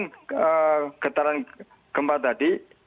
merasakan getaran gempa tadi